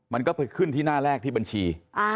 มันก็ไปขึ้นที่หน้าแรกที่บัญชี